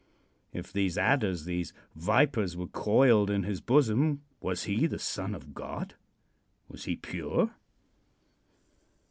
If these adders, these vipers, were coiled in his bosom, was he the son of God? Was he pure?